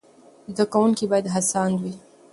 زده کوونکي باید هڅاند وي.